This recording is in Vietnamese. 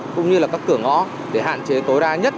cũng như là các cửa ngõ để hạn chế tối đa nhất